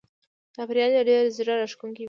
چاپېریال یې ډېر زړه راښکونکی و.